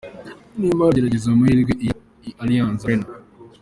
Neymar agerageza amahirwe i Allianz Arena.